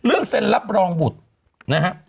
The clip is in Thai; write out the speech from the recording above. เรื่องเซ็นรับรองบุตรนะฮะ